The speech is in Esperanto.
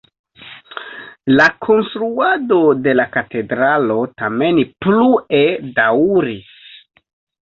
La konstruado de la katedralo tamen plue daŭris.